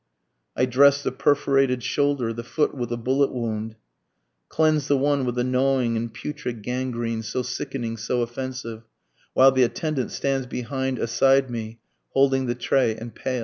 I dress the perforated shoulder, the foot with the bullet wound, Cleanse the one with a gnawing and putrid gangrene, so sickening, so offensive, While the attendant stands behind aside me holding the tray and pail.